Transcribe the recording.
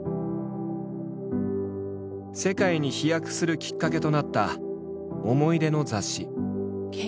世界に飛躍するきっかけとなった思い出の雑誌。